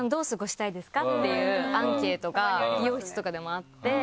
っていうアンケートが美容室とかでもあって。